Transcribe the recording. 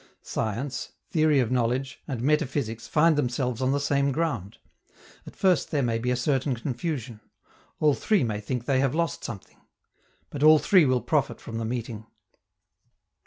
Science, theory of knowledge, and metaphysics find themselves on the same ground. At first there may be a certain confusion. All three may think they have lost something. But all three will profit from the meeting.